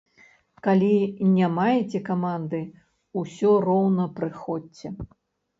Калі не маеце каманды, усё роўна прыходзьце.